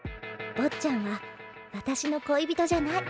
坊っちゃんは私の恋人じゃない。